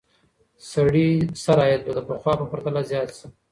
سړي سر عاید به د پخوا په پرتله زیات سي.